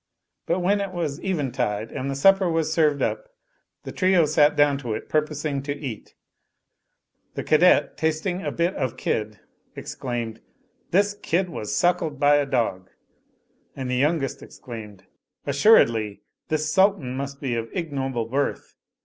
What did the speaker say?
But when it was eventide and supper was served up, the trio sat down to it purposing to eat ; the cadet tasting a bit of kid exclaimed, " This kid was suckled by a dog" ; and the youngest exclaimed, "Assuredly/ this Sultan must be of ignoble birth."